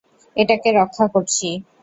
এটাকে রক্ষা করছি!